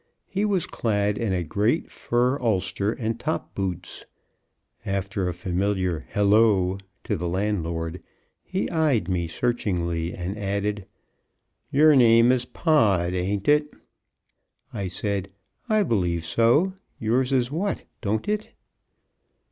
He was clad in a great fur ulster and top boots. After a familiar "hello" to the landlord, he eyed me searchingly, and added, "Your name is Pod, ain't it?" I said, "I believe so; yours is what, don't it?"